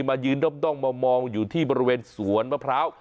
มายืนด้องมามองอยู่ที่บริเวณสวนมะพร้าว